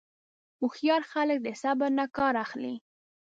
هوښیار خلک د صبر نه کار اخلي.